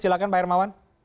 silakan pak hermawan